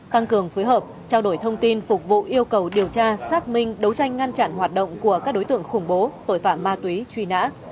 tăng cường phối hợp trao đổi thông tin phục vụ yêu cầu điều tra xác minh đấu tranh ngăn chặn hoạt động của các đối tượng khủng bố tội phạm ma túy truy nã